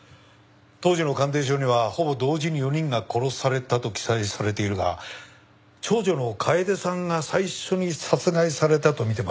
当時の鑑定書にはほぼ同時に４人が殺されたと記載されているが長女の楓さんが最初に殺害されたとみて間違いない。